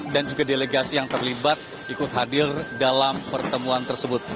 dan juga delegasi yang terlibat ikut hadir dalam pertemuan tersebut